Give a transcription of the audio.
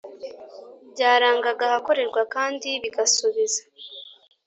Byarangaga ahakorerwa kandi bigasubiza